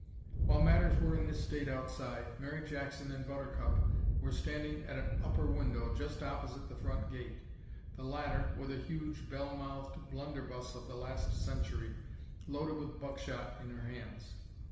While matters were in this state outside, Mary Jackson and Buttercup were standing at an upper window just opposite the front gate, the latter with a huge bell mouthed blunderbuss of the last century, loaded with buckshot in her hands.